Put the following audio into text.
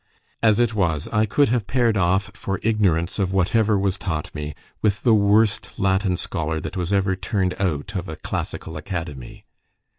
As it was, I could have paired off, for ignorance of whatever was taught me, with the worst Latin scholar that was ever turned out of a classical academy.